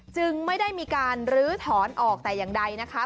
จึงไม่ได้มีการลื้อถอนออกแต่อย่างใดนะคะ